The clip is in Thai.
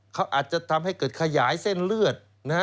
เขาอาจจะทำให้เกิดขยายเส้นเลือด